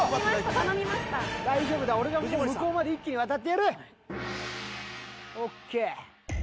頼みました大丈夫だ俺が向こうまで一気に渡ってやるＯＫ